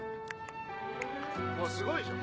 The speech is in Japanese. あっすごいじゃん！